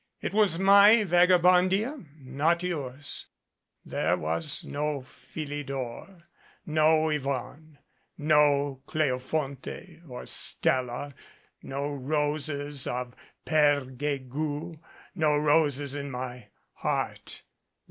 It was my Vagabondia not yours. There was no Philidor no Yvonne no Cleofonte or Stella no roses of Pere Guegou no roses in my heart.